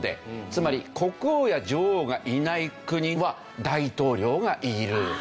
つまり国王や女王がいない国は大統領がいる。